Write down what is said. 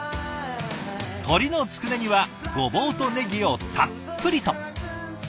鶏のつくねにはゴボウとネギをたっぷりと。